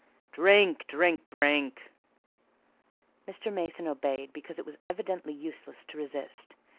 "Drink! drink! drink!" Mr. Mason obeyed, because it was evidently useless to resist.